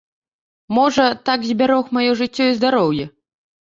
Можа, так збярог маё жыццё і здароўе.